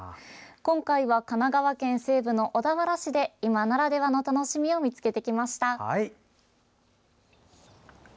今回は神奈川県西部の小田原市で今ならではの楽しみを見つけてきました。